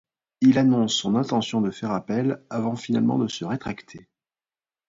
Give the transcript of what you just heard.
Il annonce son intention de faire appel avant finalement de se rétracter.